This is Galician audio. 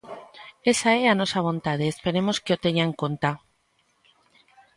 Esa é a nosa vontade e esperemos que o teña en conta.